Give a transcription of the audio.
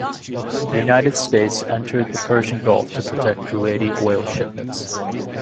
The United States entered the Persian gulf to protect Kuwaiti oil shipments.